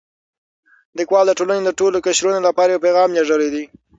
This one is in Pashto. لیکوال د ټولنې د ټولو قشرونو لپاره یو پیغام لېږلی دی.